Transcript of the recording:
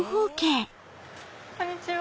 こんにちは。